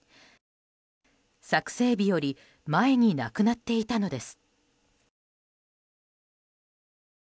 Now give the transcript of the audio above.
作成日より前に亡くなっていたのです。